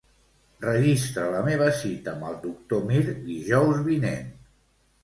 Registra la meva cita amb el doctor Mir dijous vinent.